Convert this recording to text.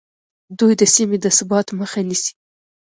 دوی د سیمې د ثبات مخه نیسي